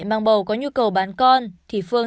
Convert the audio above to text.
mang bầu có nhu cầu bán con thì phương